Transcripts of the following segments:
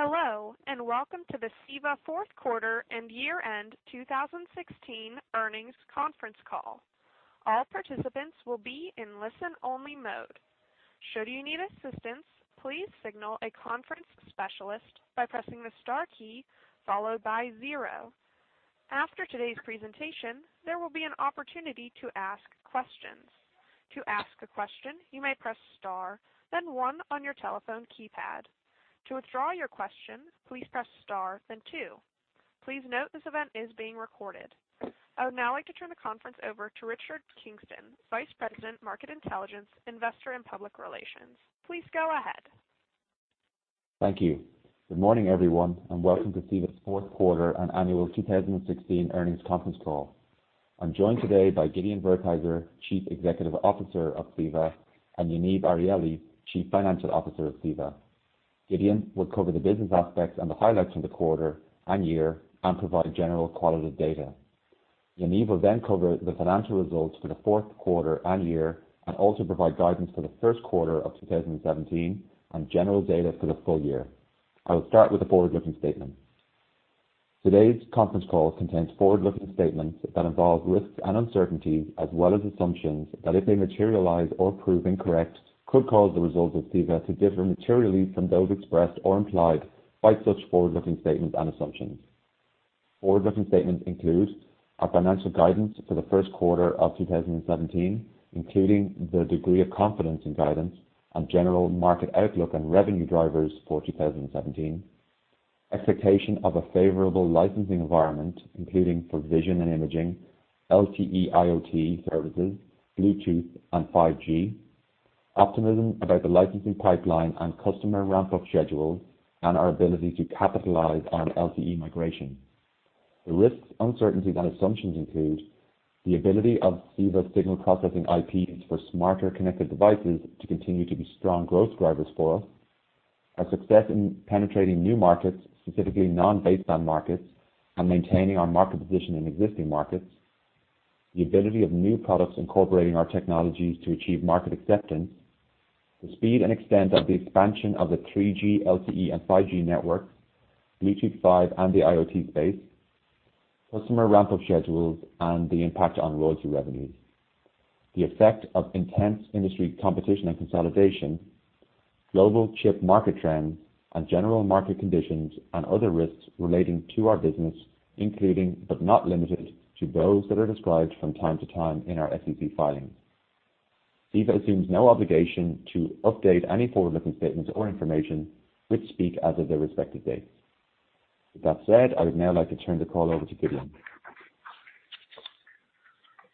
Hello, welcome to the CEVA fourth quarter and year-end 2016 earnings conference call. All participants will be in listen-only mode. Should you need assistance, please signal a conference specialist by pressing the star key followed by 0. After today's presentation, there will be an opportunity to ask questions. To ask a question, you may press star, then 1 on your telephone keypad. To withdraw your question, please press star then 2. Please note this event is being recorded. I would now like to turn the conference over to Richard Kingston, Vice President, Market Intelligence, Investor and Public Relations. Please go ahead. Thank you. Good morning, everyone, welcome to CEVA's fourth quarter and annual 2016 earnings conference call. I'm joined today by Gideon Wertheizer, Chief Executive Officer of CEVA, and Yaniv Arieli, Chief Financial Officer of CEVA. Gideon will cover the business aspects and the highlights from the quarter and year and provide general qualitative data. Yaniv will cover the financial results for the fourth quarter and year and also provide guidance for the first quarter of 2017 and general data for the full year. I will start with the forward-looking statement. Today's conference call contains forward-looking statements that involve risks and uncertainties, as well as assumptions that if they materialize or prove incorrect could cause the results of CEVA to differ materially from those expressed or implied by such forward-looking statements and assumptions. Forward-looking statements include our financial guidance for the first quarter of 2017, including the degree of confidence in guidance and general market outlook and revenue drivers for 2017, expectation of a favorable licensing environment, including for vision and imaging, LTE IoT services, Bluetooth, and 5G, optimism about the licensing pipeline and customer ramp-up schedules, and our ability to capitalize on LTE migration. The risks, uncertainties, and assumptions include the ability of CEVA signal processing IPs for smarter connected devices to continue to be strong growth drivers for us, our success in penetrating new markets, specifically non-baseband markets, and maintaining our market position in existing markets, the ability of new products incorporating our technologies to achieve market acceptance, the speed and extent of the expansion of the 3G, LTE, and 5G network, Bluetooth 5, and the IoT space, customer ramp-up schedules, and the impact on royalty revenues, the effect of intense industry competition and consolidation, global chip market trends, and general market conditions and other risks relating to our business, including but not limited to those that are described from time to time in our SEC filings. CEVA assumes no obligation to update any forward-looking statements or information, which speak as of their respective dates. With that said, I would now like to turn the call over to Gideon.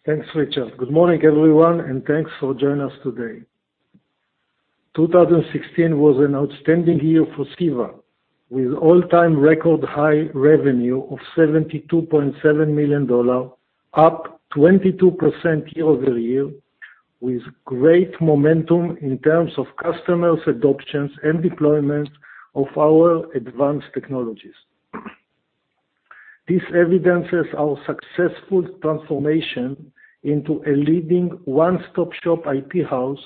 Thanks, Richard. Good morning, everyone, thanks for joining us today. 2016 was an outstanding year for CEVA, with all-time record high revenue of $72.7 million, up 22% year-over-year, with great momentum in terms of customers' adoptions and deployment of our advanced technologies. This evidences our successful transformation into a leading one-stop shop IP house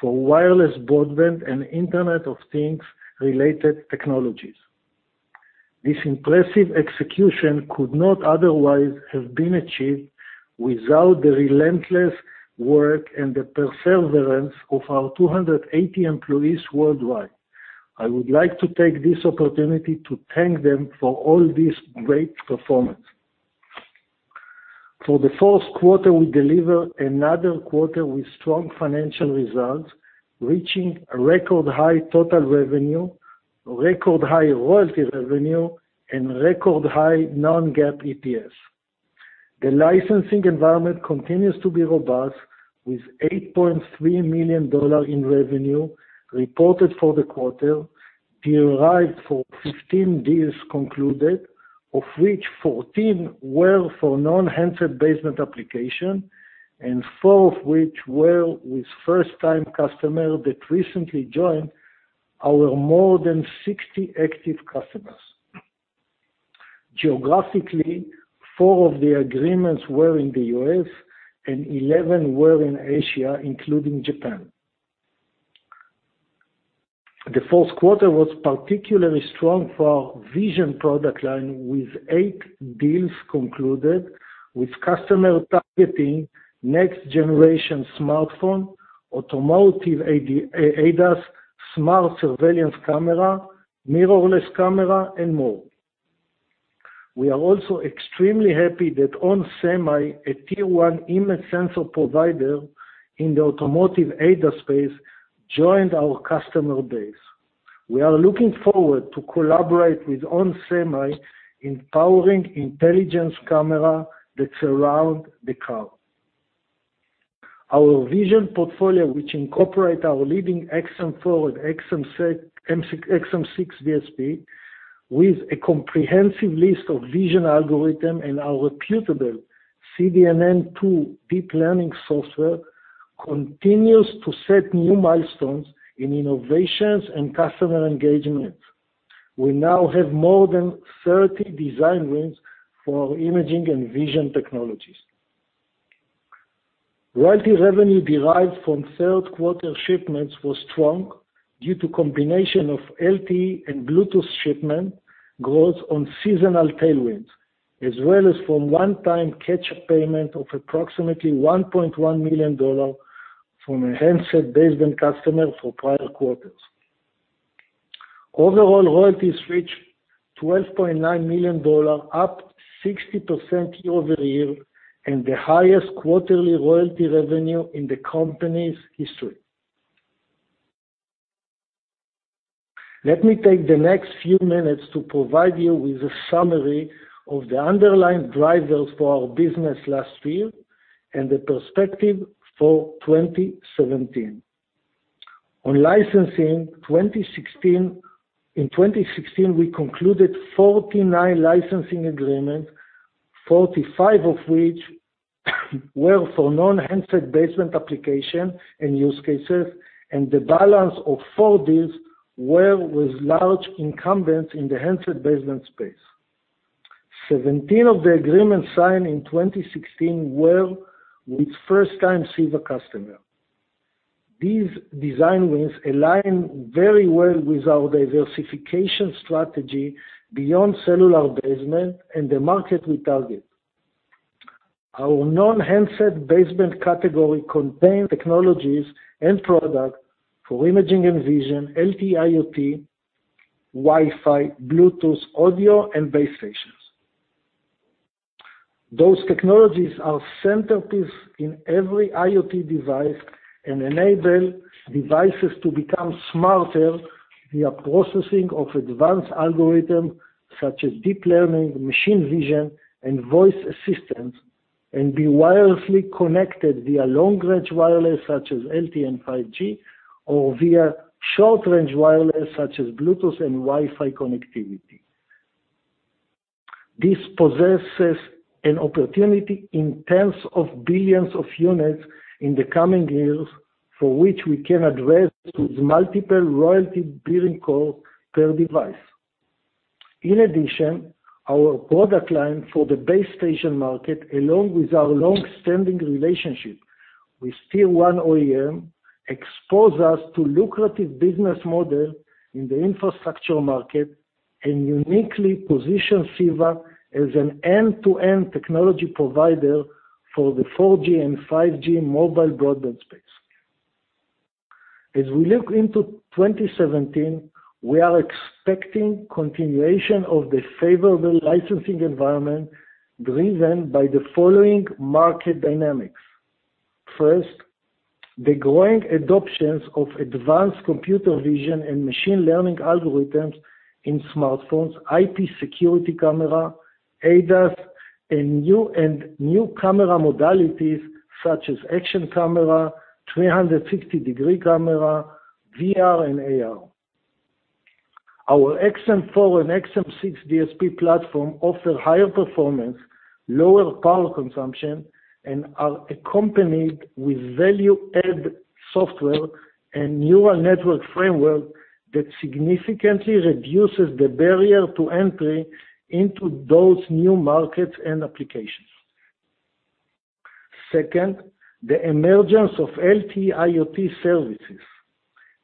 for wireless broadband and Internet of Things related technologies. This impressive execution could not otherwise have been achieved without the relentless work and the perseverance of our 280 employees worldwide. I would like to take this opportunity to thank them for all this great performance. For the fourth quarter, we deliver another quarter with strong financial results, reaching a record high total revenue, record high royalty revenue, and record high non-GAAP EPS. The licensing environment continues to be robust with $8.3 million in revenue reported for the quarter, derived from 15 deals concluded, of which 14 were for non-handset baseband application, and four of which were with first-time customer that recently joined our more than 60 active customers. Geographically, four of the agreements were in the U.S. and 11 were in Asia, including Japan. The fourth quarter was particularly strong for our vision product line with eight deals concluded with customer targeting next generation smartphone, automotive ADAS, smart surveillance camera, mirrorless camera, and more. We are also extremely happy that onsemi, a tier 1 image sensor provider in the automotive ADAS space, joined our customer base. We are looking forward to collaborate with onsemi in powering intelligence camera that surround the car. Our vision portfolio, which incorporate our leading XM4 with XM6 VSP with a comprehensive list of vision algorithm and our reputable CDNN2 deep learning software, continues to set new milestones in innovations and customer engagement. We now have more than 30 design wins for our imaging and vision technologies. Royalty revenue derived from third quarter shipments was strong due to combination of LTE and Bluetooth shipment growth on seasonal tailwinds, as well as from one-time catch-up payment of approximately $1.1 million from a handset baseband customer for prior quarters. Overall royalties reach $12.9 million, up 60% year-over-year, the highest quarterly royalty revenue in the company's history. Let me take the next few minutes to provide you with a summary of the underlying drivers for our business last year and the perspective for 2017. On licensing, in 2016, we concluded 49 licensing agreement, 45 of which were for non-handset baseband application and use cases, and the balance of four deals were with large incumbents in the handset baseband space. 17 of the agreements signed in 2016 were with first time CEVA customer. These design wins align very well with our diversification strategy beyond cellular baseband and the market we target. Our non-handset baseband category contain technologies and product for imaging and vision, LTE IoT, Wi-Fi, Bluetooth, audio, and base stations. Those technologies are centerpiece in every IoT device and enable devices to become smarter via processing of advanced algorithm such as deep learning, machine vision, and voice assistant, and be wirelessly connected via long range wireless such as LTE and 5G, or via short range wireless such as Bluetooth and Wi-Fi connectivity. This possesses an opportunity in tens of billions of units in the coming years, for which we can address with multiple royalty billing cycles per device. In addition, our product line for the base station market, along with our long-standing relationship with Tier 1 OEM, expose us to lucrative business model in the infrastructure market and uniquely position CEVA as an end-to-end technology provider for the 4G and 5G mobile broadband space. As we look into 2017, we are expecting continuation of the favorable licensing environment driven by the following market dynamics. First, the growing adoptions of advanced computer vision and machine learning algorithms in smartphones, IP security camera, ADAS, and new camera modalities such as action camera, 360-degree camera, VR and AR. Our CEVA-XM4 and CEVA-XM6 DSP platform offer higher performance, lower power consumption, and are accompanied with value-add software and neural network framework that significantly reduces the barrier to entry into those new markets and applications. Second, the emergence of LTE IoT services.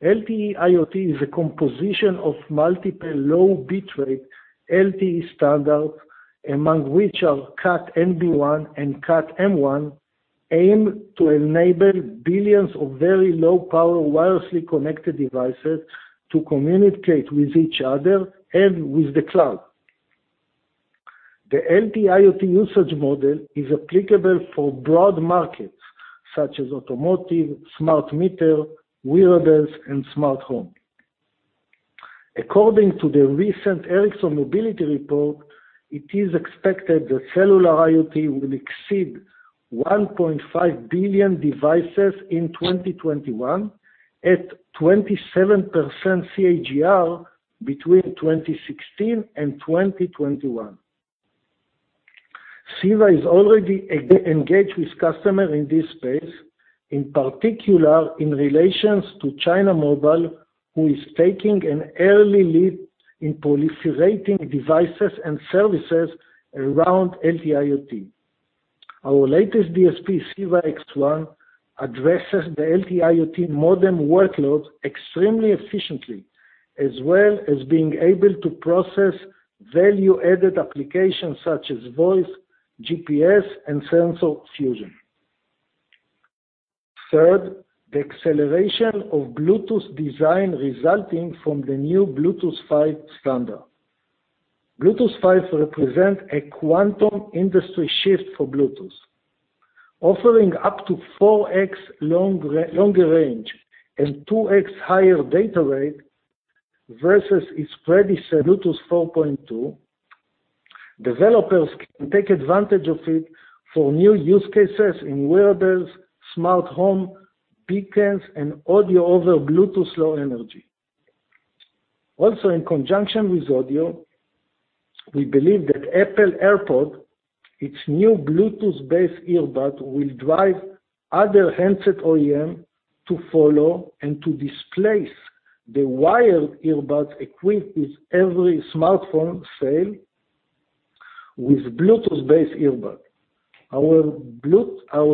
LTE IoT is a composition of multiple low bitrate LTE standards, among which are Cat-NB1 and Cat-M1, aim to enable billions of very low power wirelessly connected devices to communicate with each other and with the cloud. The LTE IoT usage model is applicable for broad markets, such as automotive, smart meter, wearables, and smart home. According to the recent Ericsson Mobility Report, it is expected that cellular IoT will exceed 1.5 billion devices in 2021 at 27% CAGR between 2016 and 2021. CEVA is already engaged with customer in this space, in particular in relations to China Mobile, who is taking an early lead in proliferating devices and services around LTE IoT. Our latest DSP, CEVA-X1, addresses the LTE IoT modem workload extremely efficiently, as well as being able to process value-added applications such as voice, GPS, and sensor fusion. Third, the acceleration of Bluetooth design resulting from the new Bluetooth 5 standard. Bluetooth 5 represent a quantum industry shift for Bluetooth, offering up to 4X longer range and 2X higher data rate versus its predecessor, Bluetooth 4.2. Developers can take advantage of it for new use cases in wearables, smart home, beacons, and audio over Bluetooth Low Energy. Also, in conjunction with audio, we believe that Apple AirPods, its new Bluetooth-based earbuds, will drive other handset OEM to follow and to displace the wired earbuds equipped with every smartphone sale With Bluetooth-based earbuds. Our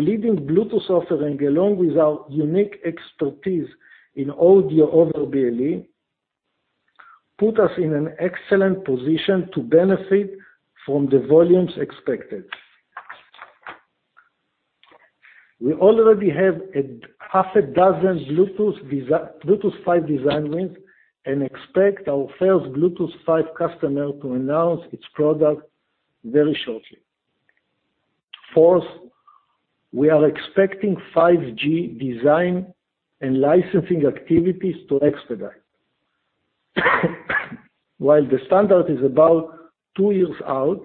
leading Bluetooth offering, along with our unique expertise in audio over BLE, put us in an excellent position to benefit from the volumes expected. We already have half a dozen Bluetooth 5 design wins, and expect our first Bluetooth 5 customer to announce its product very shortly. Fourth, we are expecting 5G design and licensing activities to expedite. While the standard is about two years out,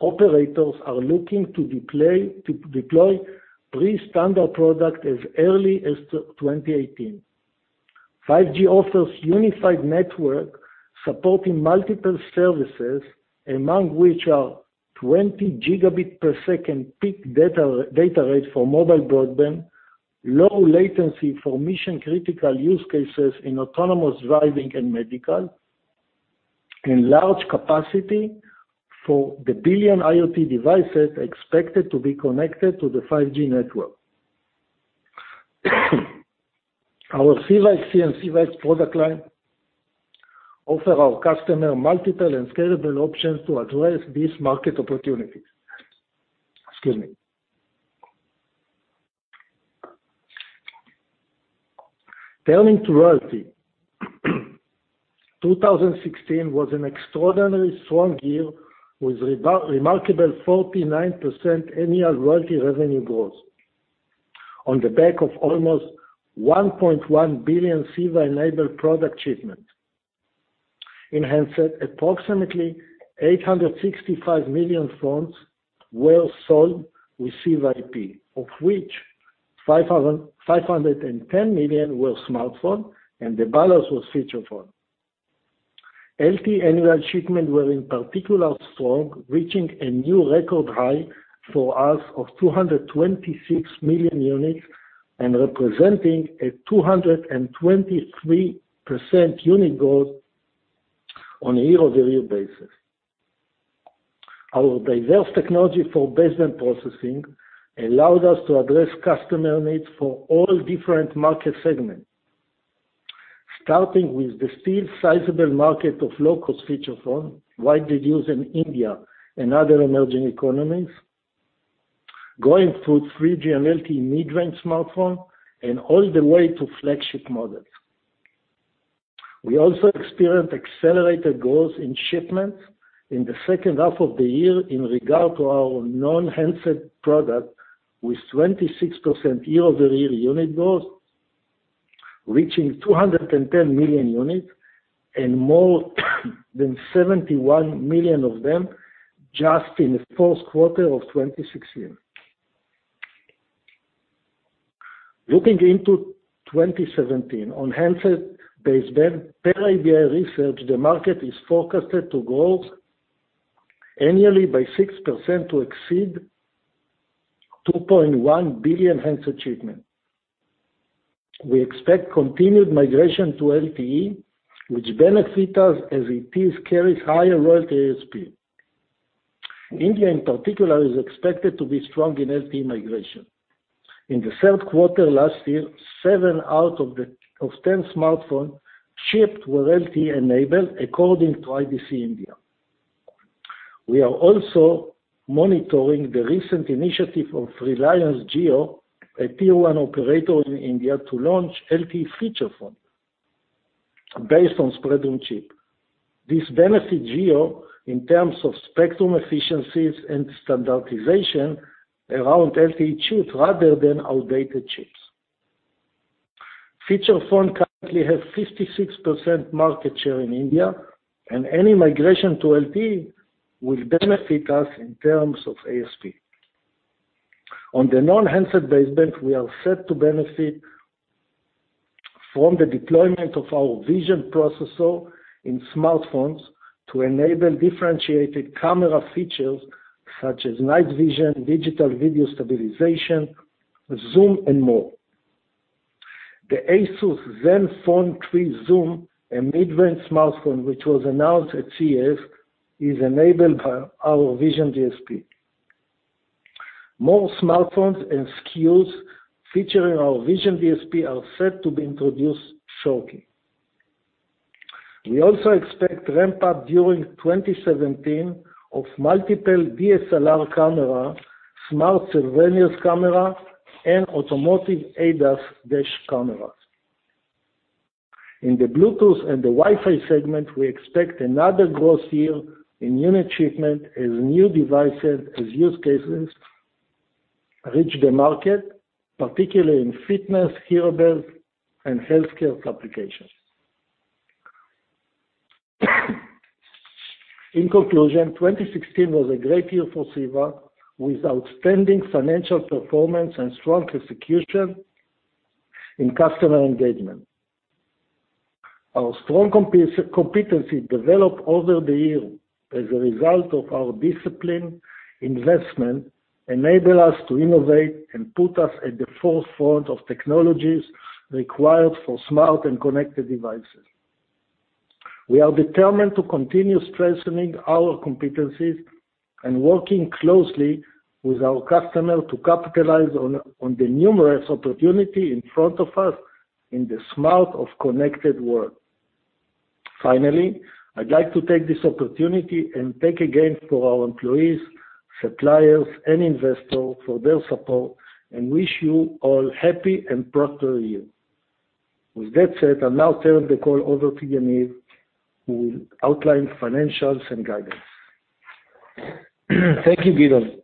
operators are looking to deploy pre-standard product as early as 2018. 5G offers unified network supporting multiple services, among which are 20 gigabit per second peak data rate for mobile broadband, low latency for mission-critical use cases in autonomous driving and medical, and large capacity for the billion IoT devices expected to be connected to the 5G network. Our CEVA-Xe and CEVA-X product line offer our customer multiple and scalable options to address these market opportunities. Excuse me. Turning to royalty. 2016 was an extraordinarily strong year with remarkable 49% annual royalty revenue growth on the back of almost 1.1 billion CEVA-enabled product shipments. In handsets, approximately 865 million phones were sold with CEVA IP, of which 510 million were smartphones and the balance was feature phone. LTE annual shipments were in particular strong, reaching a new record high for us of 226 million units and representing a 223% unit growth on a year-over-year basis. Our diverse technology for baseband processing allowed us to address customer needs for all different market segments, starting with the still sizable market of low-cost feature phone, widely used in India and other emerging economies, going through 3G and LTE mid-range smartphones, and all the way to flagship models. We also experienced accelerated growth in shipments in the second half of the year in regard to our non-handset product, with 26% year-over-year unit growth, reaching 210 million units and more than 71 million of them just in the fourth quarter of 2016. Looking into 2017, on handset baseband, per IDC research, the market is forecasted to grow annually by 6% to exceed 2.1 billion handset shipments. We expect continued migration to LTE, which benefits us as it carries higher royalty ASP. India, in particular, is expected to be strong in LTE migration. In the third quarter last year, seven out of 10 smartphones shipped were LTE-enabled, according to IDC India. We are also monitoring the recent initiative of Reliance Jio, a tier 1 operator in India, to launch LTE feature phone based on Spreadtrum chip. This benefits Jio in terms of spectrum efficiencies and standardization around LTE chips rather than outdated chips. Feature phone currently has 56% market share in India, and any migration to LTE will benefit us in terms of ASP. On the non-handset baseband, we are set to benefit from the deployment of our vision processor in smartphones to enable differentiated camera features such as night vision, digital video stabilization, zoom, and more. The Asus Zenfone 3 Zoom, a mid-range smartphone which was announced at CES, is enabled by our vision DSP. More smartphones and SKUs featuring our vision DSP are set to be introduced shortly. We also expect ramp-up during 2017 of multiple DSLR camera, smart surveillance camera, and automotive ADAS dash cameras. In the Bluetooth and the Wi-Fi segment, we expect another growth year in unit shipment as new devices, as use cases reach the market, particularly in fitness, hearables, and healthcare applications. In conclusion, 2016 was a great year for CEVA, with outstanding financial performance and strong execution in customer engagement. Our strong competency developed over the year as a result of our disciplined investment Enable us to innovate and put us at the forefront of technologies required for smart and connected devices. We are determined to continue strengthening our competencies and working closely with our customers to capitalize on the numerous opportunities in front of us in the smart of connected world. Finally, I'd like to take this opportunity and thank again for our employees, suppliers, and investors for their support and wish you all happy and prosper year. With that said, I'll now turn the call over to Yaniv, who will outline financials and guidance. Thank you, Gideon.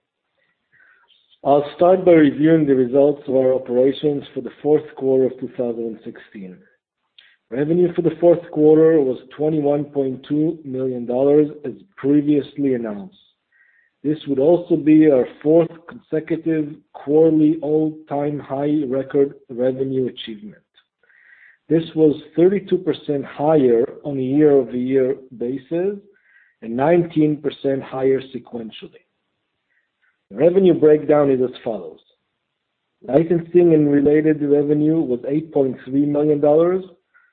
I'll start by reviewing the results of our operations for the fourth quarter of 2016. Revenue for the fourth quarter was $21.2 million, as previously announced. This would also be our fourth consecutive quarterly all-time high record revenue achievement. This was 32% higher on a year-over-year basis and 19% higher sequentially. The revenue breakdown is as follows. Licensing and related revenue was $8.3 million,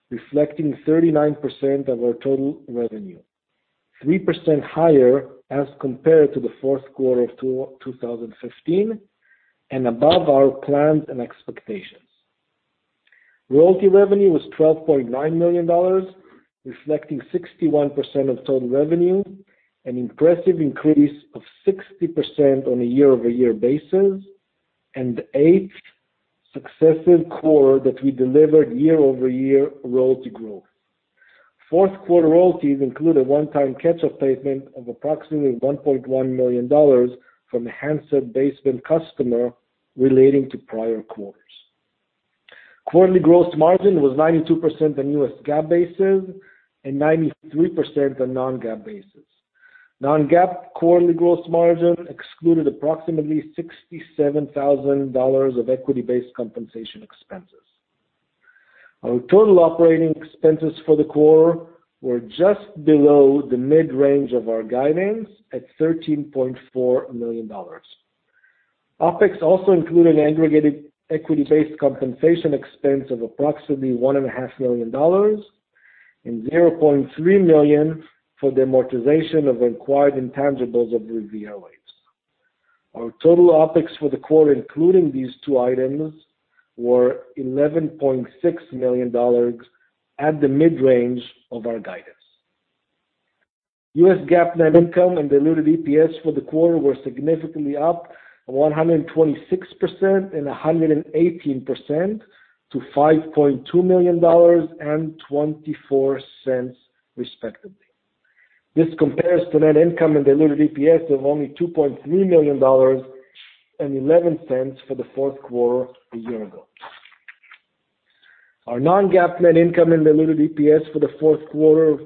reflecting 39% of our total revenue, 3% higher as compared to the fourth quarter of 2015 and above our plans and expectations. Royalty revenue was $12.9 million, reflecting 61% of total revenue, an impressive increase of 60% on a year-over-year basis, and the eighth successive quarter that we delivered year-over-year royalty growth. Fourth quarter royalties include a one-time catch-up payment of approximately $1.1 million from a handset baseband customer relating to prior quarters. Quarterly gross margin was 92% on U.S. GAAP basis and 93% on non-GAAP basis. Non-GAAP quarterly gross margin excluded approximately $67,000 of equity-based compensation expenses. Our total operating expenses for the quarter were just below the mid-range of our guidance at $13.4 million. OpEx also included an aggregated equity-based compensation expense of approximately $1.5 million and $0.3 million for the amortization of acquired intangibles of RivieraWaves. Our total OpEx for the quarter, including these two items, were $11.6 million, at the mid-range of our guidance. U.S. GAAP net income and diluted EPS for the quarter were significantly up 126% and 118% to $5.2 million and $0.24, respectively. This compares to net income and diluted EPS of only $2.3 million and $0.11 for the fourth quarter a year ago. Our non-GAAP net income and diluted EPS for the fourth quarter of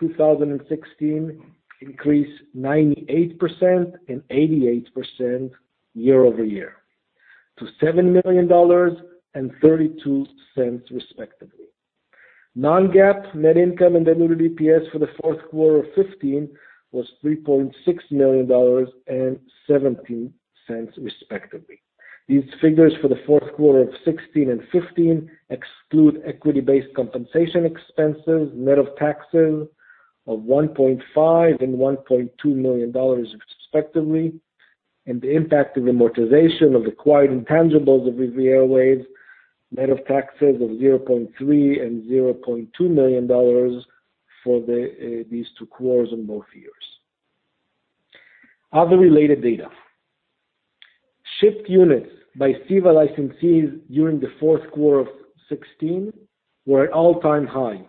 2016 increased 98% and 88% year-over-year to $7 million and $0.32, respectively. Non-GAAP net income and diluted EPS for the fourth quarter of 2015 was $3.6 million and $0.17, respectively. These figures for the fourth quarter of 2016 and 2015 exclude equity-based compensation expenses net of taxes of $1.5 million and $1.2 million, respectively, and the impact of amortization of acquired intangibles of RivieraWaves net of taxes of $0.3 million and $0.2 million for these two quarters in both years. Other related data. Shipped units by CEVA licensees during the fourth quarter of 2016 were at all-time high.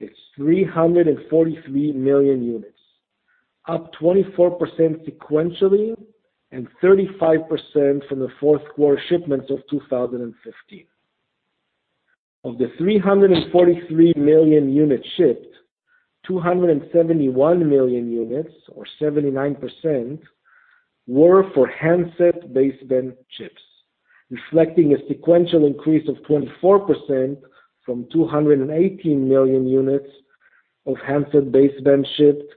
It is 343 million units, up 24% sequentially and 35% from the fourth-quarter shipments of 2015. Of the 343 million units shipped, 271 million units or 79% were for handset baseband chips, reflecting a sequential increase of 24% from 218 million units of handset baseband shipped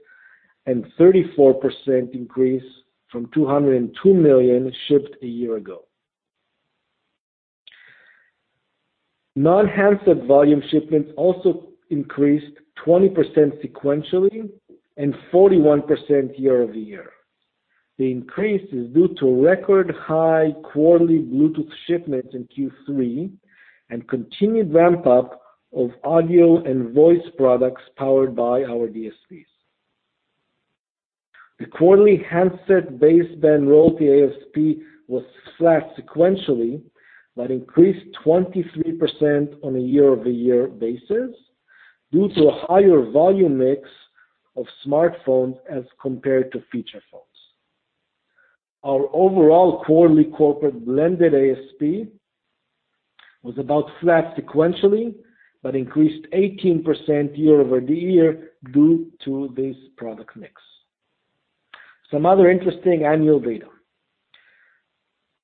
and 34% increase from 202 million shipped a year ago. Non-handset volume shipments also increased 20% sequentially and 41% year-over-year. The increase is due to record high quarterly Bluetooth shipments in Q3 and continued ramp-up of audio and voice products powered by our DSPs. The quarterly handset baseband royalty ASP was flat sequentially, but increased 23% on a year-over-year basis due to a higher volume mix of smartphones as compared to feature phones. Our overall quarterly corporate blended ASP was about flat sequentially, but increased 18% year-over-year due to this product mix. Some other interesting annual data.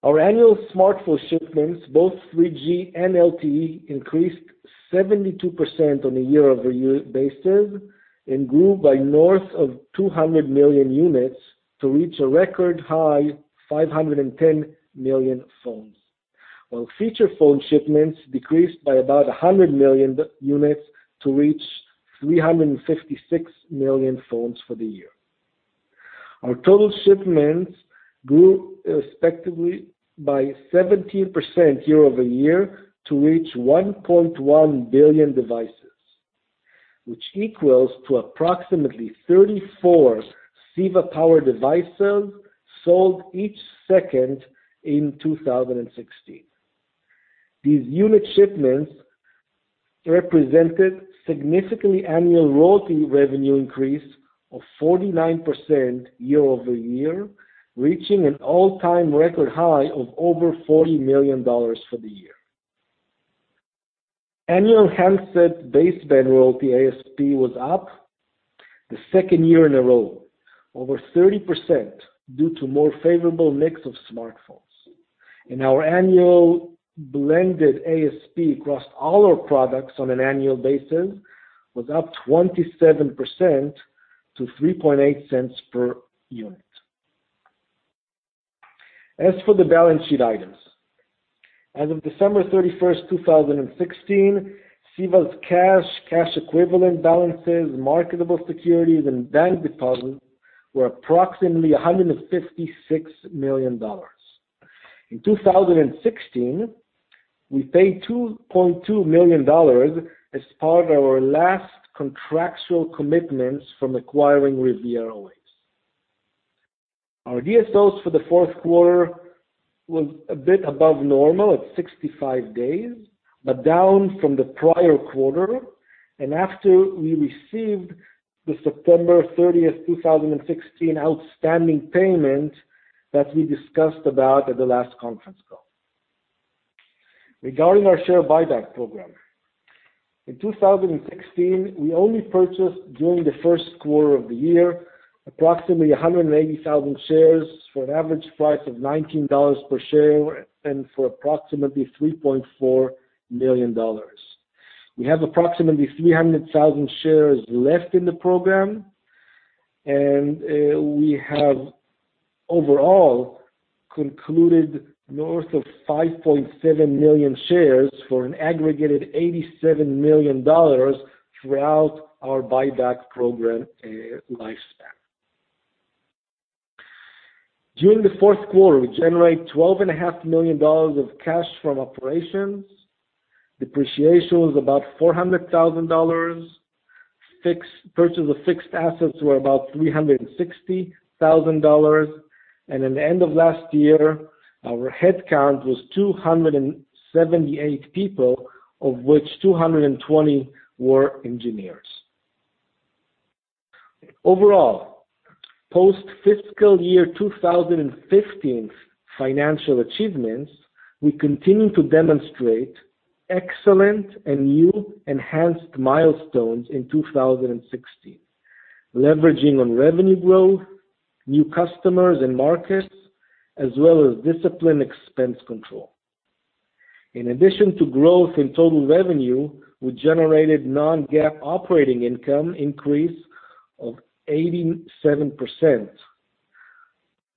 Our annual smartphone shipments, both 3G and LTE, increased 72% on a year-over-year basis and grew by north of 200 million units to reach a record high 510 million phones. While feature phone shipments decreased by about 100 million units to reach 356 million phones for the year. Our total shipments grew respectively by 17% year-over-year to reach 1.1 billion devices, which equals to approximately 34 CEVA-powered devices sold each second in 2016. These unit shipments represented significant annual royalty revenue increase of 49% year-over-year, reaching an all-time record high of over $40 million for the year. Annual handset baseband royalty ASP was up the second year in a row, over 30%, due to more favorable mix of smartphones. Our annual blended ASP across all our products on an annual basis was up 27% to $0.038 per unit. As for the balance sheet items, as of December 31st, 2016, CEVA's cash equivalent balances, marketable securities, and bank deposits were approximately $156 million. In 2016, we paid $2.2 million as part of our last contractual commitments from acquiring RivieraWaves. Our DSOs for the fourth quarter was a bit above normal at 65 days, but down from the prior quarter, and after we received the September 30th, 2016 outstanding payment that we discussed about at the last conference call. Regarding our share buyback program, in 2016, we only purchased during the first quarter of the year, approximately 180,000 shares for an average price of $19 per share and for approximately $3.4 million. We have approximately 300,000 shares left in the program, and we have overall concluded north of 5.7 million shares for an aggregated $87 million throughout our buyback program lifespan. During the fourth quarter, we generate $12.5 million of cash from operations. Depreciation was about $400,000. Purchase of fixed assets were about $360,000, and at the end of last year, our headcount was 278 people, of which 220 were engineers. Overall, post-fiscal year 2015's financial achievements, we continue to demonstrate excellent and new enhanced milestones in 2016, leveraging on revenue growth, new customers and markets, as well as disciplined expense control. In addition to growth in total revenue, we generated non-GAAP operating income increase of 87%.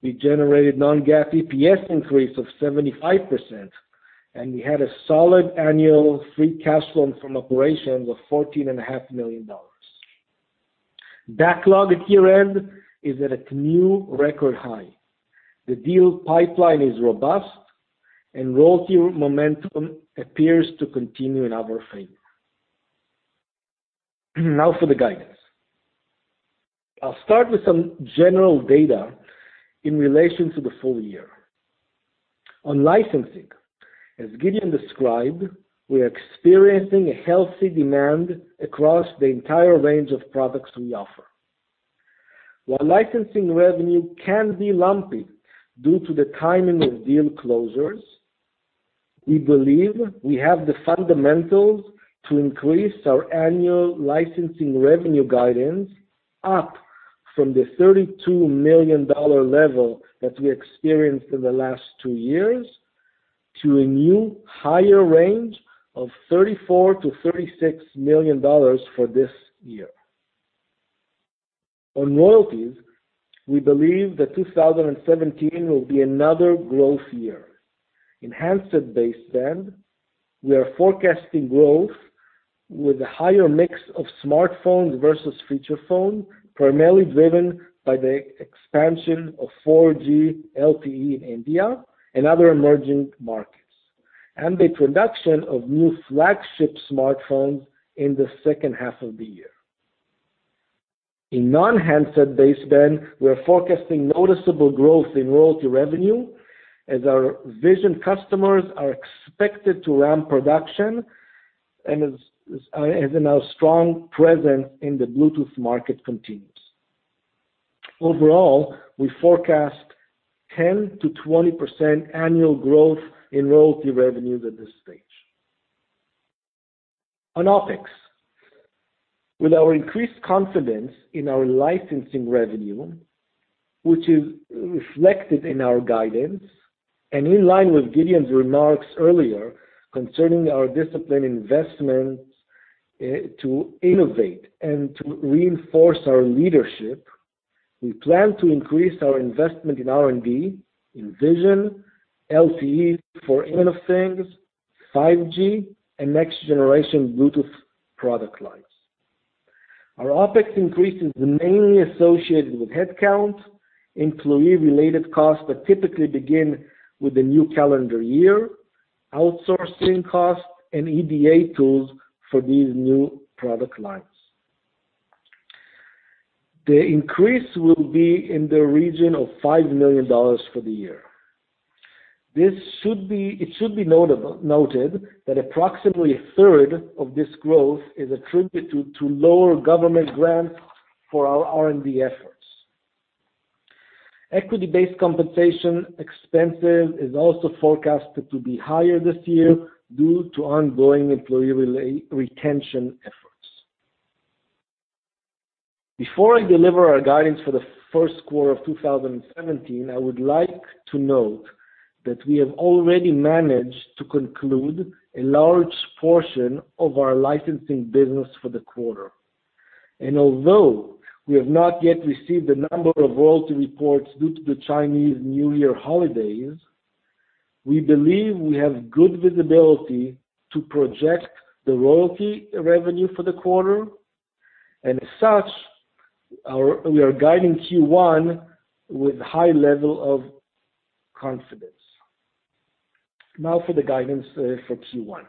We generated non-GAAP EPS increase of 75%, and we had a solid annual free cash flow from operations of $14.5 million. Backlog at year-end is at a new record high. The deal pipeline is robust, and royalty momentum appears to continue in our favor. Now for the guidance. I will start with some general data in relation to the full year. On licensing, as Gideon described, we are experiencing a healthy demand across the entire range of products we offer. While licensing revenue can be lumpy due to the timing of deal closures, we believe we have the fundamentals to increase our annual licensing revenue guidance up from the $32 million level that we experienced in the last two years to a new higher range of $34 million-$36 million for this year. On royalties, we believe that 2017 will be another growth year. In handset baseband, we are forecasting growth with a higher mix of smartphones versus feature phone, primarily driven by the expansion of 4G LTE in India and other emerging markets, and the introduction of new flagship smartphones in the second half of the year. In non-handset baseband, we are forecasting noticeable growth in royalty revenue as our vision customers are expected to ramp production and as our strong presence in the Bluetooth market continues. Overall, we forecast 10%-20% annual growth in royalty revenues at this stage. On OpEx. With our increased confidence in our licensing revenue, which is reflected in our guidance and in line with Gideon's remarks earlier concerning our discipline investments to innovate and to reinforce our leadership, we plan to increase our investment in R&D in vision, LTE for Internet of Things, 5G, and next generation Bluetooth product lines. Our OpEx increases mainly associated with headcount, employee-related costs that typically begin with the new calendar year, outsourcing costs, and EDA tools for these new product lines. The increase will be in the region of $5 million for the year. It should be noted that approximately a third of this growth is attributed to lower government grants for our R&D efforts. Equity-based compensation expenses is also forecasted to be higher this year due to ongoing employee retention efforts. Before I deliver our guidance for the first quarter of 2017, I would like to note that we have already managed to conclude a large portion of our licensing business for the quarter. Although we have not yet received the number of royalty reports due to the Chinese New Year holidays, we believe we have good visibility to project the royalty revenue for the quarter, and as such, we are guiding Q1 with high level of confidence. Now for the guidance for Q1.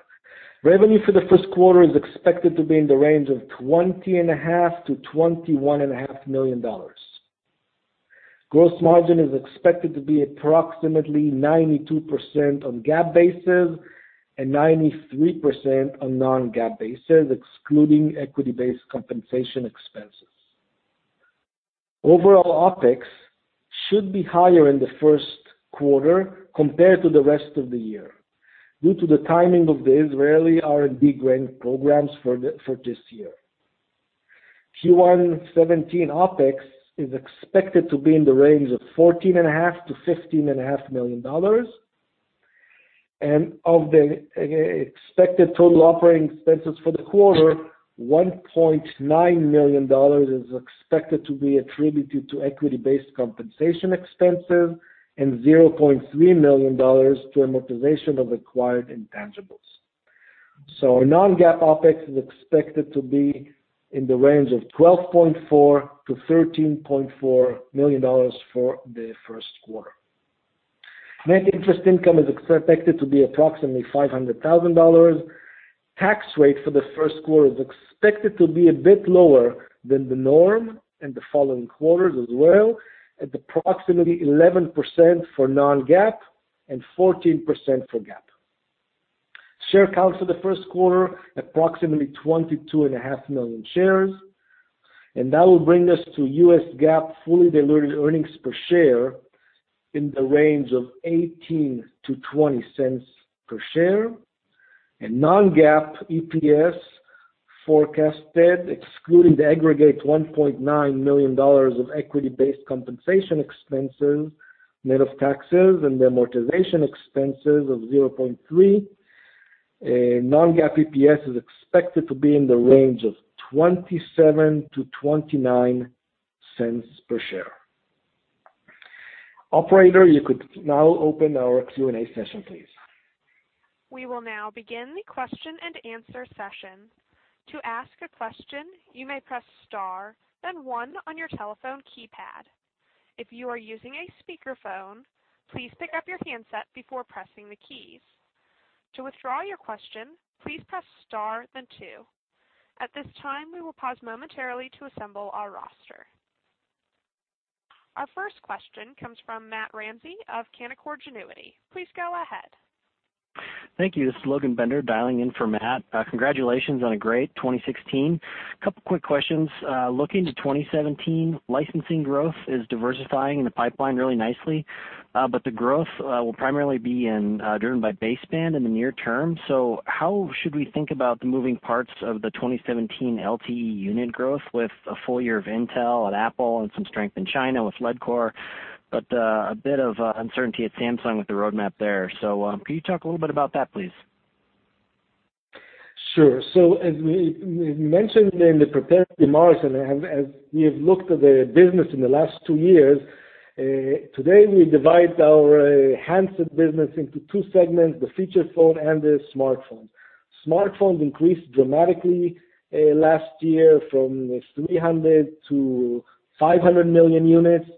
Revenue for the first quarter is expected to be in the range of $20.5 million-$21.5 million. Gross margin is expected to be approximately 92% on GAAP basis and 93% on non-GAAP basis, excluding equity-based compensation expenses. Overall OpEx should be higher in the first quarter compared to the rest of the year, due to the timing of the Israeli R&D grant programs for this year. Q1 2017 OpEx is expected to be in the range of $14.5 million-$15.5 million. Of the expected total operating expenses for the quarter, $1.9 million is expected to be attributed to equity-based compensation expenses and $0.3 million to amortization of acquired intangibles. Our non-GAAP OpEx is expected to be in the range of $12.4 million-$13.4 million for the first quarter. Net interest income is expected to be approximately $500,000. Tax rate for the first quarter is expected to be a bit lower than the norm and the following quarters as well, at approximately 11% for non-GAAP and 14% for GAAP. Share count for the first quarter, approximately 22.5 million shares. That will bring us to U.S. GAAP fully diluted earnings per share in the range of $0.18-$0.20 per share. Non-GAAP EPS forecasted, excluding the aggregate $1.9 million of equity-based compensation expenses, net of taxes and the amortization expenses of $0.3 million, non-GAAP EPS is expected to be in the range of $0.27-$0.29 per share. Operator, you could now open our Q&A session, please. We will now begin the question and answer session. To ask a question, you may press star then one on your telephone keypad. If you are using a speakerphone, please pick up your handset before pressing the keys. To withdraw your question, please press star then two. At this time, we will pause momentarily to assemble our roster. Our first question comes from Matt Ramsay of Canaccord Genuity. Please go ahead. Thank you. This is Logan Bender dialing in for Matt. Congratulations on a great 2016. Couple quick questions. Looking to 2017, licensing growth is diversifying in the pipeline really nicely, but the growth will primarily be driven by baseband in the near term. How should we think about the moving parts of the 2017 LTE unit growth with a full year of Intel and Apple and some strength in China with Leadcore, but a bit of uncertainty at Samsung with the roadmap there. Could you talk a little bit about that, please? Sure. As we mentioned in the prepared remarks and as we have looked at the business in the last two years, today we divide our handset business into two segments, the feature phone and the smartphone. Smartphones increased dramatically last year from 300 million-500 million units,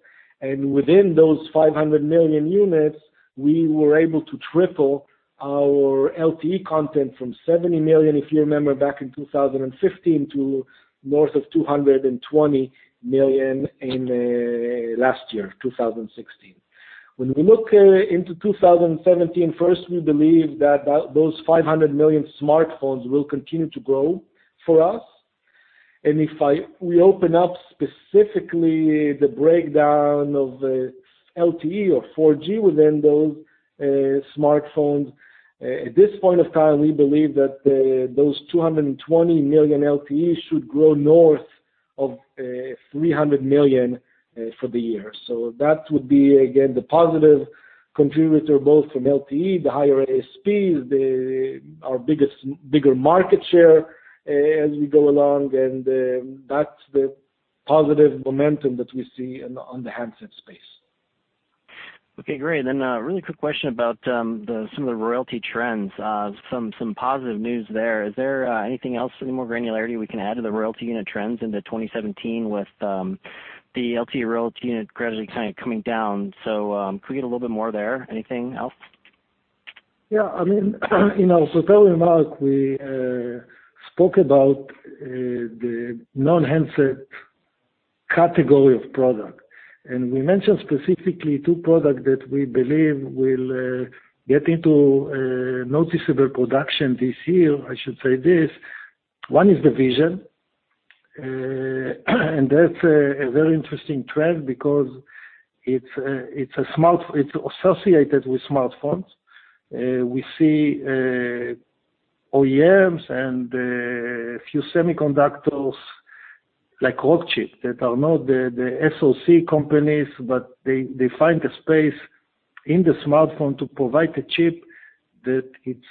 and within those 500 million units, we were able to triple our LTE content from 70 million, if you remember back in 2015, to north of 220 million in last year, 2016. When we look into 2017, first, we believe that those 500 million smartphones will continue to grow for us If we open up specifically the breakdown of the LTE or 4G within those smartphones, at this point of time, we believe that those 220 million LTE should grow north of 300 million for the year. That would be, again, the positive contributor both from LTE, the higher ASPs, our bigger market share as we go along, and that's the positive momentum that we see on the handset space. Okay, great. A really quick question about some of the royalty trends, some positive news there. Is there anything else, any more granularity we can add to the royalty unit trends into 2017 with the LTE royalty unit gradually coming down? Could we get a little bit more there? Anything else? Yeah. Earlier mark, we spoke about the non-handset category of product, and we mentioned specifically two product that we believe will get into noticeable production this year. I should say this. One is the vision, and that's a very interesting trend because it's associated with smartphones. We see OEMs and a few semiconductors like Rockchip that are not the SoC companies, but they find a space in the smartphone to provide the chip that its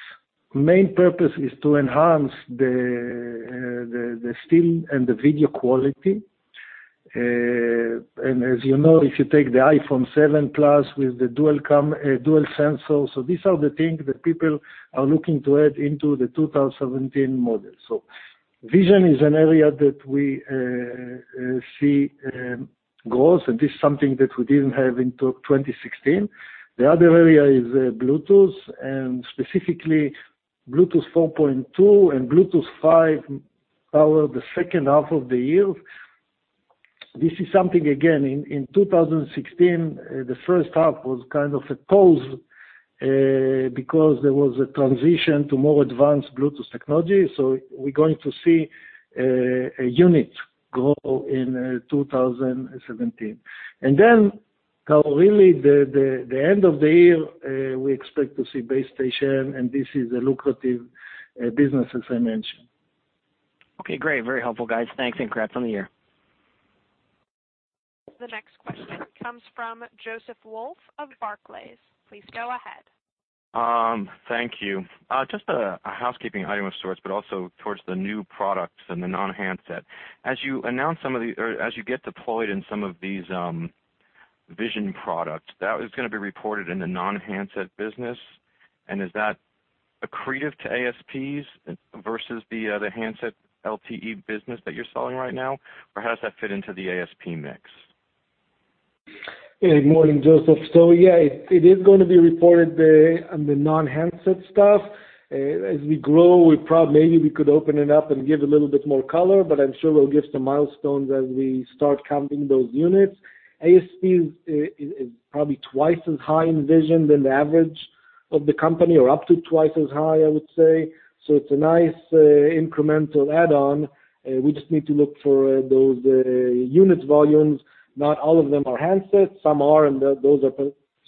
main purpose is to enhance the still and the video quality. As you know, if you take the iPhone 7 Plus with the dual sensor, these are the things that people are looking to add into the 2017 model. Vision is an area that we see growth, and this is something that we didn't have until 2016. The other area is Bluetooth, specifically Bluetooth 4.2 and Bluetooth 5 power the second half of the year. This is something, again, in 2016, the first half was kind of a pause because there was a transition to more advanced Bluetooth technology. We're going to see a unit growth in 2017. Then really the end of the year, we expect to see base station, and this is a lucrative business, as I mentioned. Okay, great. Very helpful, guys. Thanks, congrats on the year. The next question comes from Joseph Wolf of Barclays. Please go ahead. Thank you. Just a housekeeping item of sorts, also towards the new products and the non-handset. As you get deployed in some of these vision products, that is going to be reported in the non-handset business. Is that accretive to ASPs versus the other handset LTE business that you're selling right now? How does that fit into the ASP mix? Good morning, Joseph. Yeah, it is going to be reported on the non-handset stuff. As we grow, maybe we could open it up and give a little bit more color, but I'm sure we'll give some milestones as we start counting those units. ASP is probably twice as high in vision than the average of the company or up to twice as high, I would say. It's a nice incremental add-on. We just need to look for those unit volumes. Not all of them are handsets. Some are, and those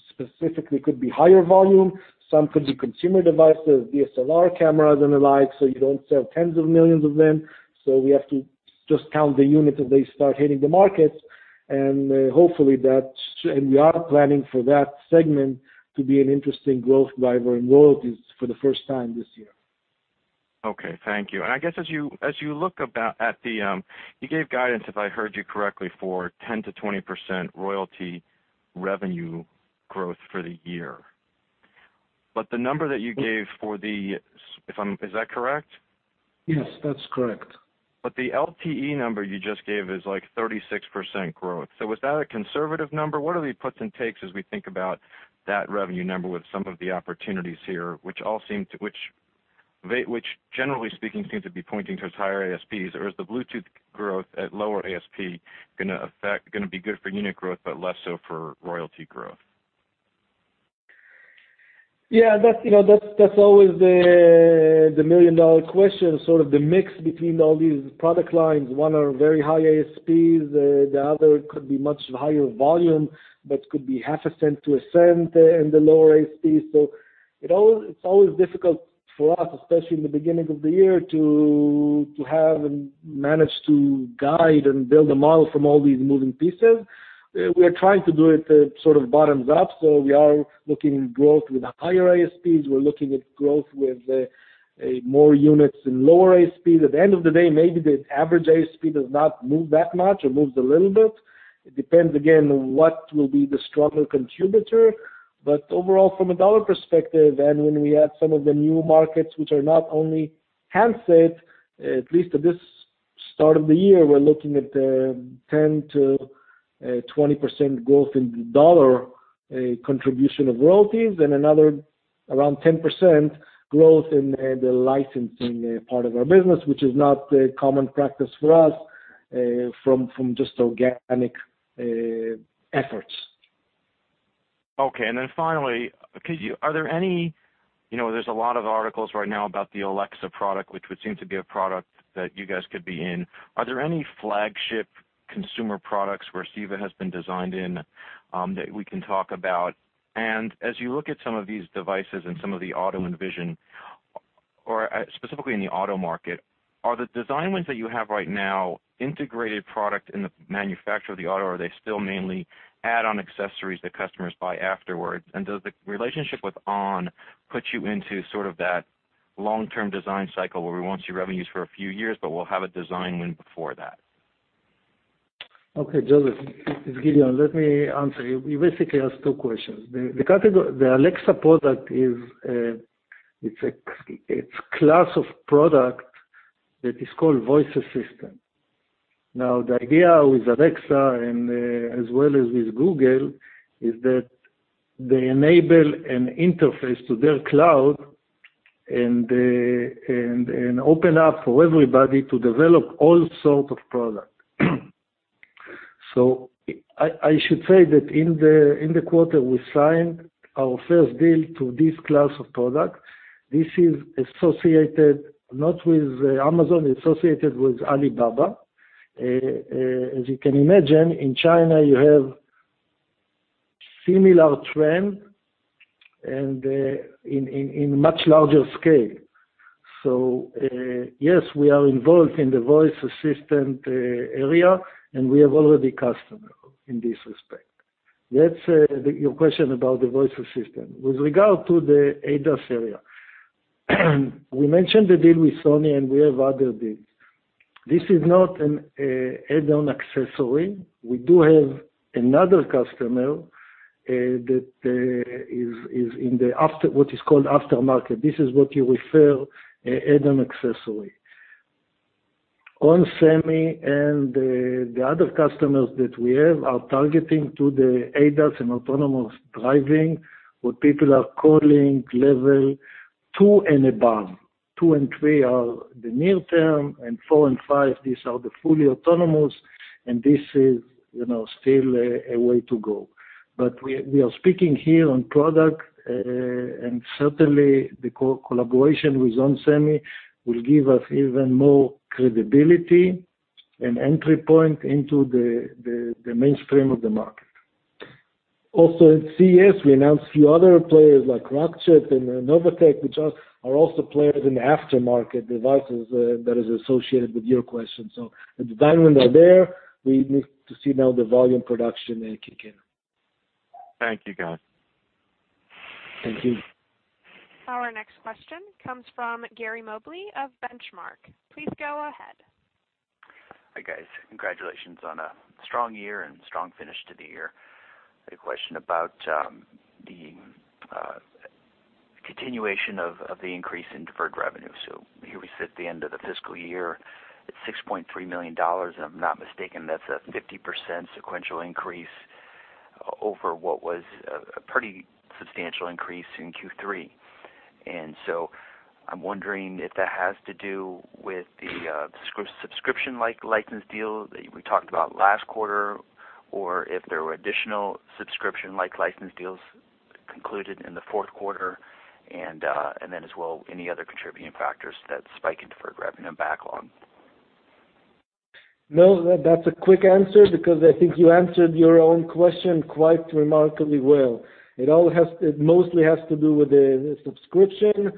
specifically could be higher volume. Some could be consumer devices, DSLR cameras and the like, you don't sell tens of millions of them. We have to just count the units as they start hitting the markets, and we are planning for that segment to be an interesting growth driver in royalties for the first time this year. Okay. Thank you. I guess as you look at, you gave guidance, if I heard you correctly, for 10%-20% royalty revenue growth for the year. The number that you gave for, is that correct? Yes, that's correct. The LTE number you just gave is like 36% growth. Was that a conservative number? What are the puts and takes as we think about that revenue number with some of the opportunities here, which generally speaking, seem to be pointing towards higher ASPs? Is the Bluetooth growth at lower ASP going to be good for unit growth but less so for royalty growth? Yeah, that's always the million-dollar question, sort of the mix between all these product lines. One are very high ASPs, the other could be much higher volume, but could be half a cent to a cent in the lower ASP. It's always difficult for us, especially in the beginning of the year, to have and manage to guide and build a model from all these moving pieces. We are trying to do it sort of bottoms up, so we are looking at growth with higher ASPs. We're looking at growth with more units in lower ASP. At the end of the day, maybe the average ASP does not move that much or moves a little bit. It depends, again, on what will be the stronger contributor. Overall, from a dollar perspective, and when we add some of the new markets, which are not only handsets, at least at this start of the year, we're looking at 10%-20% growth in dollar contribution of royalties and another around 10% growth in the licensing part of our business, which is not a common practice for us, from just organic efforts. Okay. Finally, there's a lot of articles right now about the Alexa product, which would seem to be a product that you guys could be in. Are there any flagship consumer products where CEVA has been designed in, that we can talk about? As you look at some of these devices and some of the auto and vision, or specifically in the auto market, are the design wins that you have right now integrated product in the manufacture of the auto, or are they still mainly add-on accessories that customers buy afterwards? Does the relationship with ON put you into sort of that long-term design cycle where we won't see revenues for a few years, but we'll have a design win before that? Okay, Joseph, it's Gideon. Let me answer you. You basically asked two questions. The Alexa product is a class of product that is called voice assistant. The idea with Alexa and as well as with Google, is that they enable an interface to their cloud and open up for everybody to develop all sort of product. I should say that in the quarter, we signed our first deal to this class of product. This is associated not with Amazon, it's associated with Alibaba. As you can imagine, in China, you have similar trend and in much larger scale. Yes, we are involved in the voice assistant area, and we have already customer in this respect. That's your question about the voice assistant. With regard to the ADAS area, we mentioned the deal with Sony, and we have other deals. This is not an add-on accessory. We do have another customer that is in what is called aftermarket. This is what you refer add-on accessory. onsemi and the other customers that we have are targeting to the ADAS and autonomous driving, what people are calling level 2 and above. Two and three are the near term, and four and five, these are the fully autonomous, and this is still a way to go. We are speaking here on product, and certainly the collaboration with onsemi will give us even more credibility and entry point into the mainstream of the market. In CES, we announced a few other players like Rockchip and Novatek, which are also players in the aftermarket devices that is associated with your question. The design wins are there. We need to see now the volume production kick in. Thank you, guys. Thank you. Our next question comes from Gary Mobley of Benchmark. Please go ahead. Hi, guys. Congratulations on a strong year and strong finish to the year. A question about the continuation of the increase in deferred revenue. Here we sit at the end of the fiscal year at $6.3 million, if I'm not mistaken, that's a 50% sequential increase over what was a pretty substantial increase in Q3. I'm wondering if that has to do with the subscription-like license deal that we talked about last quarter, or if there were additional subscription-like license deals concluded in the fourth quarter, as well any other contributing factors to that spike in deferred revenue backlog. That's a quick answer because I think you answered your own question quite remarkably well. It mostly has to do with the subscription,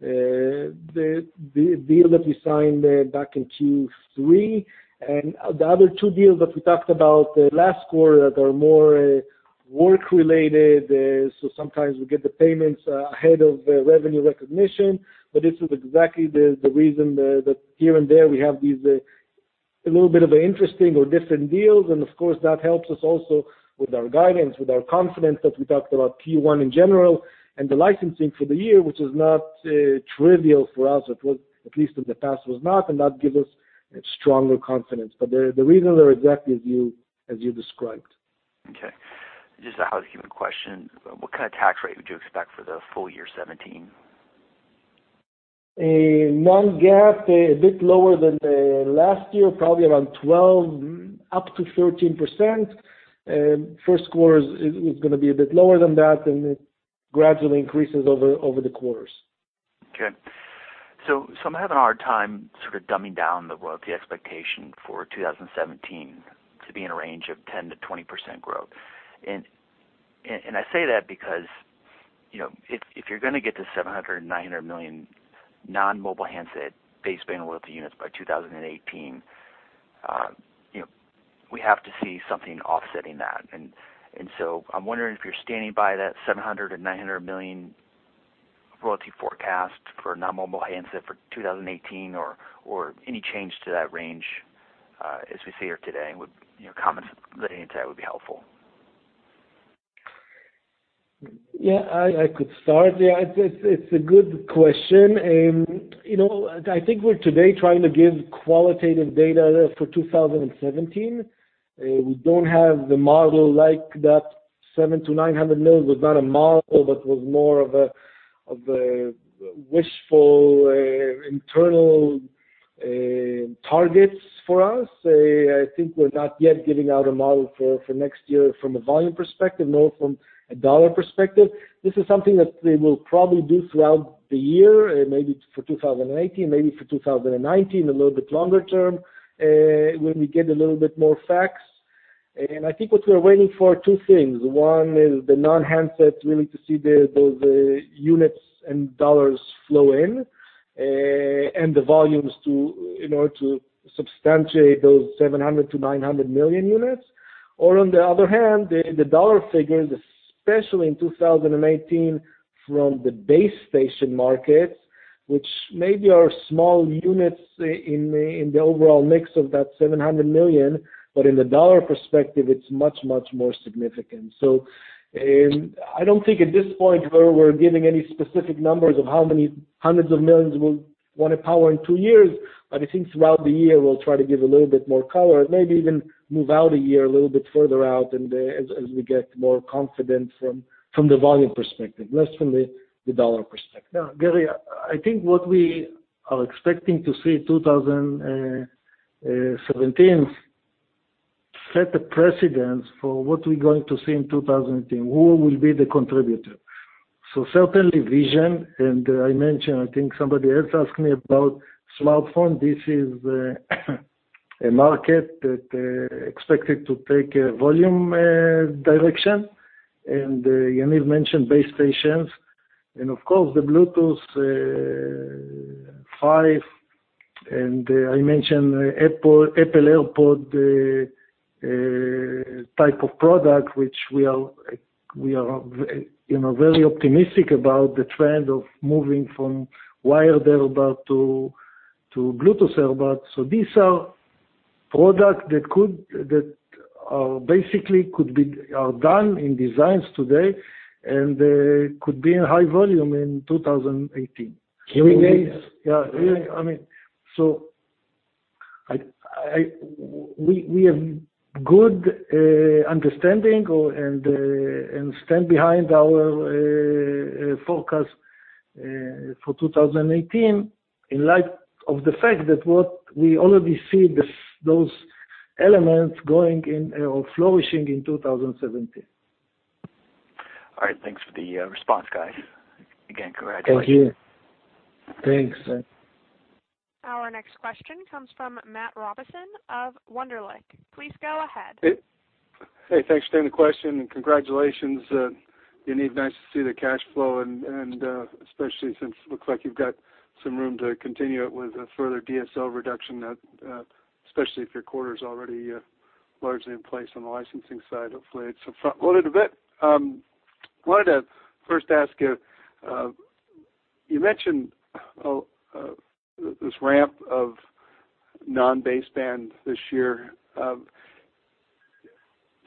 the deal that we signed back in Q3, and the other two deals that we talked about last quarter that are more work-related. Sometimes we get the payments ahead of revenue recognition, this is exactly the reason that here and there we have these little bit of interesting or different deals, of course, that helps us also with our guidance, with our confidence that we talked about Q1 in general and the licensing for the year, which is not trivial for us. At least in the past was not, that gives us stronger confidence. The reasons are exactly as you described. Just a housekeeping question. What kind of tax rate would you expect for the full year 2017? Non-GAAP, a bit lower than last year, probably around 12%-13%. First quarter is going to be a bit lower than that, it gradually increases over the quarters. Okay. I'm having a hard time sort of dumbing down the royalty expectation for 2017 to be in a range of 10%-20% growth. I say that because, if you're going to get to 700 million or 900 million non-mobile handset baseband royalty units by 2018, we have to see something offsetting that. I'm wondering if you're standing by that 700 million and 900 million royalty forecast for non-mobile handset for 2018 or any change to that range as we sit here today, comments relating to that would be helpful? Yeah, I could start. It's a good question. I think we're today trying to give qualitative data for 2017. We don't have the model like that 700 million to 900 million was not a model, but was more of a wishful internal Targets for us. I think we're not yet giving out a model for next year from a volume perspective, nor from a dollar perspective. This is something that we will probably do throughout the year, maybe for 2018, maybe for 2019, a little bit longer term, when we get a little bit more facts. I think what we're waiting for, two things. One is the non-handset, really to see those units and dollars flow in, and the volumes to substantiate those 700 million to 900 million units. On the other hand, the dollar figures, especially in 2018, from the base station markets, which maybe are small units in the overall mix of that 700 million, but in the dollar perspective, it's much, much more significant. I don't think at this point we're giving any specific numbers of how many hundreds of millions we'll want to power in two years. I think throughout the year, we'll try to give a little bit more color, maybe even move out a year, a little bit further out as we get more confidence from the volume perspective, less from the dollar perspective. Now, Gary, I think what we are expecting to see 2017 set a precedent for what we're going to see in 2018, who will be the contributor. Certainly vision, I mentioned, I think somebody else asked me about smartphone. This is a market that expected to take a volume direction. Yaniv mentioned base stations. Of course, the Bluetooth 5, I mentioned Apple AirPods type of product, which we are very optimistic about the trend of moving from wired earbuds to Bluetooth earbuds. These are products that basically could be done in designs today and could be in high volume in 2018. Hearing aids. Yeah. We have good understanding, and stand behind our forecast for 2018 in light of the fact that what we already see those elements going in or flourishing in 2017. All right. Thanks for the response, guys. Again, congratulations. Thank you. Thanks. Our next question comes from Matt Robison of Wunderlich. Please go ahead. Hey, thanks for taking the question, and congratulations, Yaniv. Nice to see the cash flow and especially since it looks like you've got some room to continue it with a further DSO reduction, especially if your quarter's already largely in place on the licensing side. Hopefully, it's front-loaded a bit. Wanted to first ask you mentioned this ramp of non-baseband this year.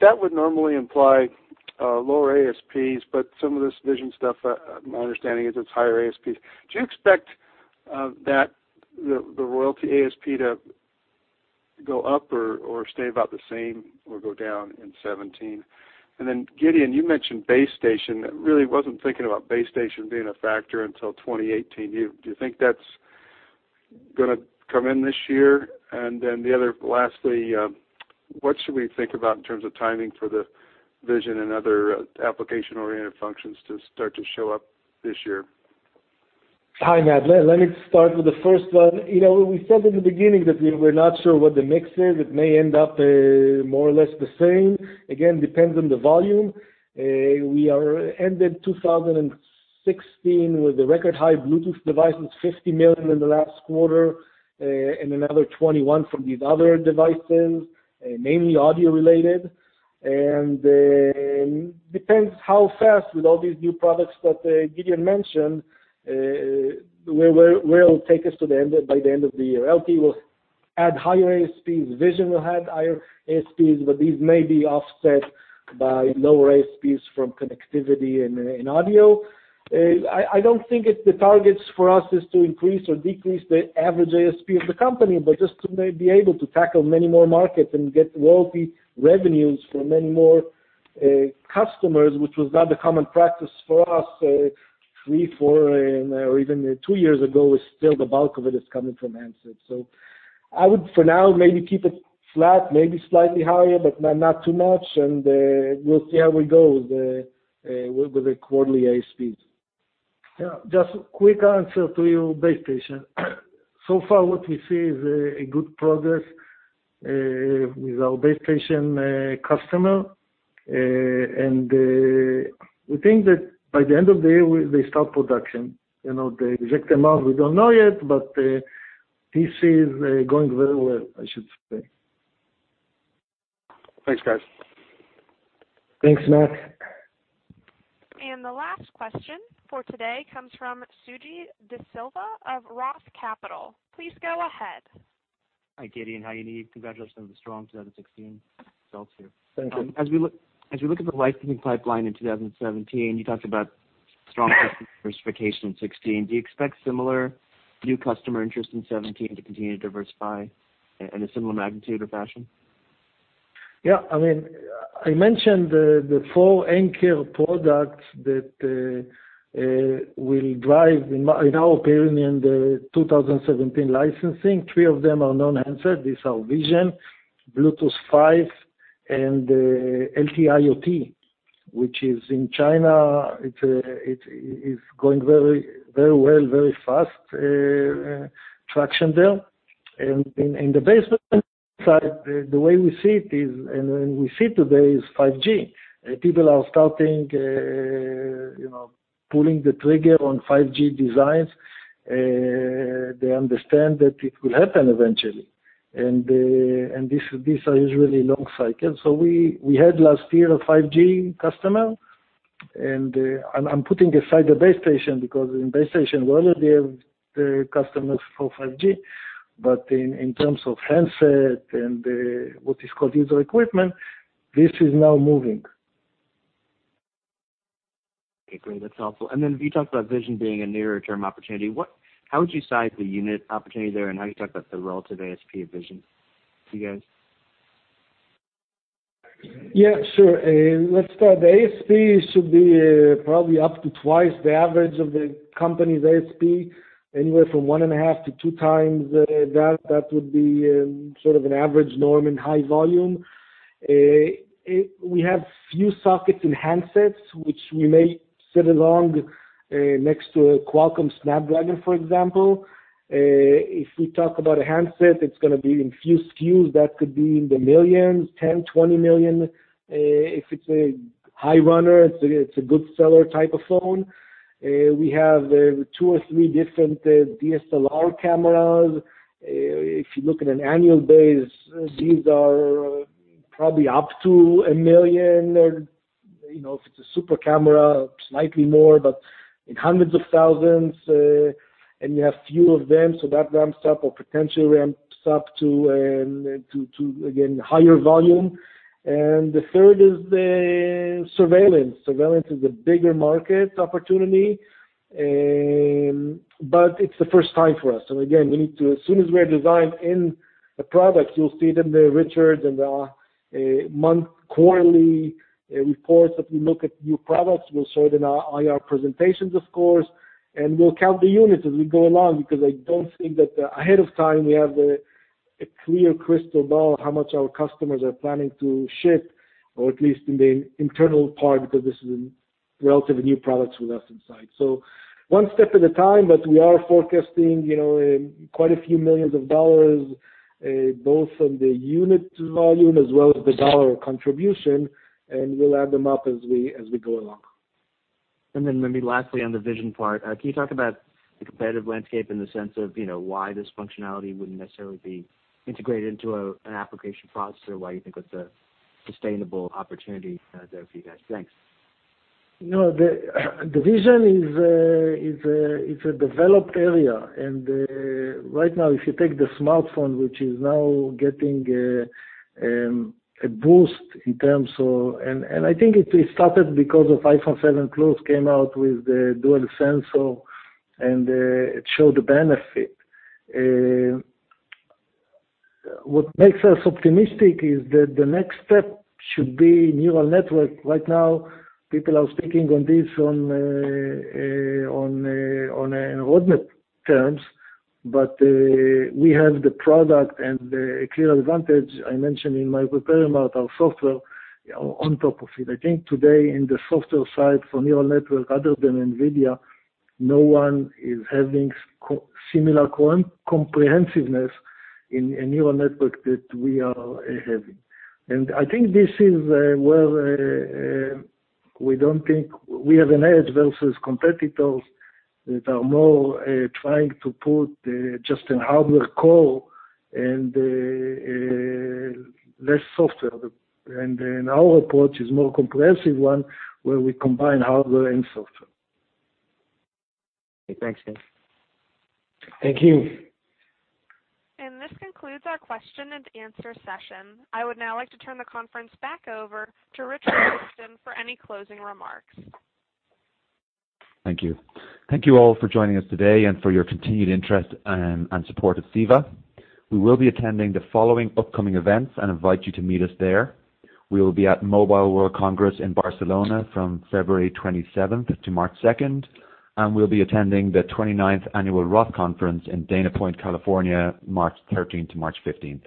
That would normally imply lower ASPs, but some of this vision stuff, my understanding is it's higher ASPs. Do you expect that the royalty ASP to go up or stay about the same or go down in 2017? Gideon, you mentioned base station. I really wasn't thinking about base station being a factor until 2018. Do you think that's going to come in this year? The other, lastly, what should we think about in terms of timing for the vision and other application-oriented functions to start to show up this year? Hi, Matt. Let me start with the first one. We said in the beginning that we're not sure what the mix is. It may end up more or less the same. Again, depends on the volume. We ended 2016 with a record high Bluetooth devices, 50 million in the last quarter, and another 21 from these other devices, mainly audio related. Depends how fast with all these new products that Gideon mentioned, will take us by the end of the year. LTE will add higher ASPs. Vision will have higher ASPs, but these may be offset by lower ASPs from connectivity and audio. I don't think the targets for us is to increase or decrease the average ASP of the company, but just to be able to tackle many more markets and get royalty revenues from many more customers, which was not the common practice for us three, four, and even two years ago, still the bulk of it is coming from handsets. I would, for now, maybe keep it flat, maybe slightly higher, but not too much, and we'll see how we go with the quarterly ASPs. Yeah. Just quick answer to you, base station. So far what we see is a good progress with our base station customer. We think that by the end of the year, they start production. The exact amount, we don't know yet, but this is going very well, I should say. Thanks, guys. Thanks, Matt. The last question for today comes from Suji De Silva of Roth Capital. Please go ahead. Hi, Gideon. Hi, Yaniv. Congratulations on the strong 2016 results here. Thank you. As we look at the licensing pipeline in 2017, you talked about strong customer diversification in 2016. Do you expect similar new customer interest in 2017 to continue to diversify in a similar magnitude or fashion? I mentioned the four anchor products that will drive, in our opinion, the 2017 licensing. Three of them are non-handset. These are vision, Bluetooth 5, and LTE IoT, which is in China. It is going very well, very fast traction there. In the base side, the way we see it is, and we see today, is 5G. People are starting, pulling the trigger on 5G designs. They understand that it will happen eventually. These are usually long cycles. We had last year a 5G customer, and I'm putting aside the base station because in base station, we already have the customers for 5G, but in terms of handset and what is called user equipment, this is now moving. Great. That's helpful. If you talk about vision being a nearer term opportunity, how would you size the unit opportunity there, and how do you talk about the relative ASP of vision to you guys? Yeah, sure. Let's start. The ASP should be probably up to twice the average of the company's ASP, anywhere from one and a half to two times that. That would be sort of an average norm in high volume. We have few sockets in handsets, which we may sit along next to a Qualcomm Snapdragon, for example. If we talk about a handset, it is going to be in few SKUs. That could be in the millions, $10 million, $20 million, if it is a high runner, it is a good seller type of phone. We have two or three different DSLR cameras. If you look at an annual basis, these are probably up to $1 million or, if it is a super camera, slightly more, but in hundreds of thousands, and you have few of them, so that ramps up or potentially ramps up to, again, higher volume. The third is surveillance. Surveillance is a bigger market opportunity, but it is the first time for us. Again, as soon as we are designed in the product, you will see them there, Richard, in the month quarterly reports that we look at new products. We will show it in our IR presentations, of course, we will count the units as we go along because I do not think that ahead of time, we have a clear crystal ball how much our customers are planning to ship, or at least in the internal part, because this is a relatively new product we left inside. One step at a time, but we are forecasting quite a few millions of dollars, both from the unit volume as well as the dollar contribution, we will add them up as we go along. Then maybe lastly, on the vision part, can you talk about the competitive landscape in the sense of why this functionality would not necessarily be integrated into an application processor, why you think it is a sustainable opportunity there for you guys? Thanks. No, the vision is a developed area. Right now, if you take the smartphone, which is now getting a boost in terms of I think it started because of iPhone 7 Plus came out with the dual sensor, it showed the benefit. What makes us optimistic is that the next step should be neural network. Right now, people are speaking on this on a roadmap terms, but we have the product and a clear advantage. I mentioned in my prepared remarks our software on top of it. I think today in the software side for neural network, other than NVIDIA, no one is having similar comprehensiveness in a neural network that we are having. I think this is where we do not think we have an edge versus competitors that are more trying to put just an hardware core and less software. Our approach is more comprehensive one, where we combine hardware and software. Okay. Thanks. Thank you. This concludes our question and answer session. I would now like to turn the conference back over to Richard Kingston for any closing remarks. Thank you. Thank you all for joining us today and for your continued interest and support of CEVA. We will be attending the following upcoming events and invite you to meet us there. We will be at Mobile World Congress in Barcelona from February 27th to March 2nd, and we'll be attending the 29th Annual Roth Conference in Dana Point, California, March 13th to March 15th.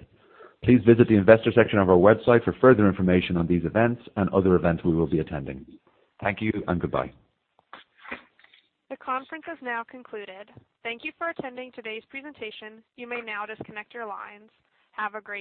Please visit the investor section of our website for further information on these events and other events we will be attending. Thank you and goodbye. The conference has now concluded. Thank you for attending today's presentation. You may now disconnect your lines. Have a great day.